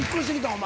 お前。